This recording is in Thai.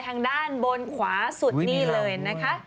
ทางด้านบนขวาสุดนี่เลยนะคะ